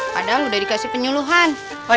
padahal udah dikasih penyuluhan